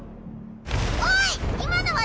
おい今の技